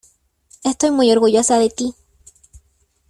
estoy muy orgullosa de ti.